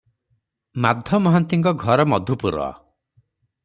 ମାଧ ମହାନ୍ତିଙ୍କ ଘର ମଧୁପୁର ।